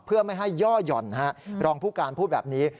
เพื่อไม่ให้ย่อหย่อนรองผู้การพูดแบบนี้